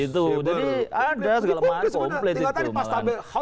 jadi ada segala macam